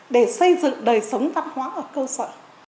để xây dựng đời sống văn hóa ở cơ sở